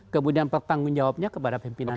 kemudian bertanggung jawabnya kepada pimpinan dpr